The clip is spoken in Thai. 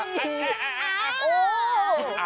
โอ๊ยอ่า